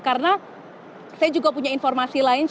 karena saya juga punya informasi lain